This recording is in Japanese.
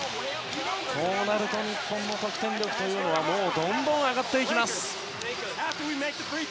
こうなると日本の得点力はどんどん上がっていきます。